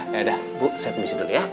ya udah bu saya kondisi dulu ya